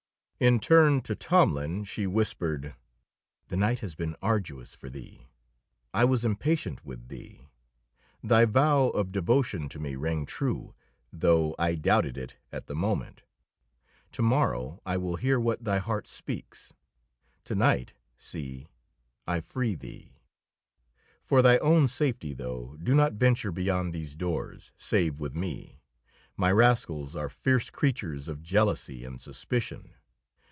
In turn to Tomlin she whispered: "The night has been arduous for thee. I was impatient with thee. Thy vow of devotion to me rang true, though I doubted it at the moment. To morrow I will hear what thy heart speaks. To night, see, I free thee. For thy own safety, though, do not venture beyond these doors save with me. My rascals are fierce creatures of jealousy and suspicion.